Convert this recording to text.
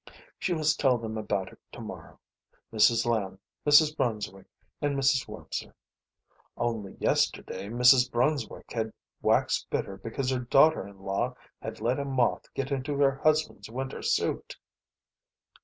She must tell them about it to morrow Mrs. Lamb, Mrs. Brunswick, and Mrs. Wormser. Only yesterday Mrs. Brunswick had waxed bitter because her daughter in law had let a moth get into her husband's winter suit.